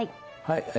はい。